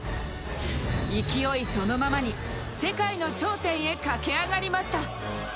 勢いそのままに世界の頂点へ駆け上がりました。